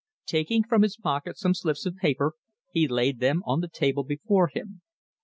Taking from his pocket some slips of paper, he laid them on the table before him.